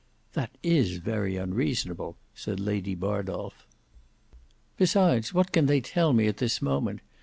"That is very unreasonable," said Lady Bardolf. "Besides what can they tell me at this moment?